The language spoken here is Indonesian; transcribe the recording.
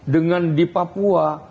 dengan di papua